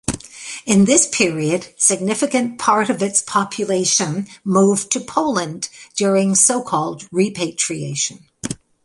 In this period, significant part of its population moved to Poland during so-called repatriation.